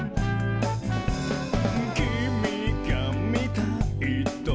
「きみがみたいと」